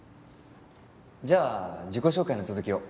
じゃあ自己紹介の続きを。